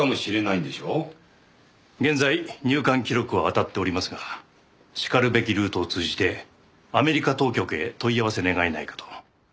現在入管記録をあたっておりますがしかるべきルートを通じてアメリカ当局へ問い合わせ願えないかと。